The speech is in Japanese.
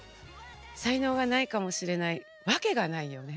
才能がないかもしれないわけがないよね。